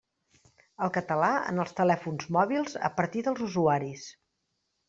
El català en els telèfons mòbils a partir dels usuaris.